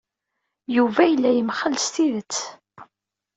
Yuba yella yemxell s tidet.